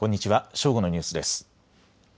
正午のニュースです。